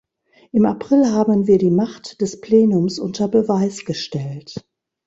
Im April haben wir die Macht des Plenums unter Beweis gestellt.